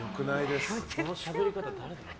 このしゃべり方誰だろう。